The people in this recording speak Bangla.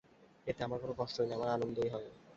এতে আমার কোনো কষ্ট নেই, আমার আনন্দই হয়।